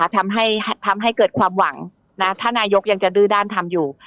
ทำให้เกิดความหวังถ้านายกยังจะดื้อด้านทำอยู่